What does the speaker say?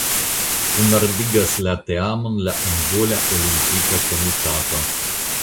Kunordigas la teamon la Angola Olimpika Komitato.